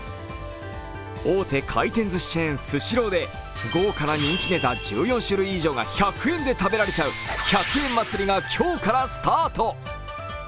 大手回転ずしチェーン・スシローで豪華な人気ネタ１４種類以上が１００円で食べられちゃう１００円祭が今日からスタート。